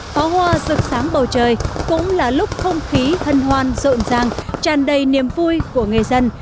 pháo hoa rực sáng bầu trời cũng là lúc không khí hân hoan rộn ràng tràn đầy niềm vui của người dân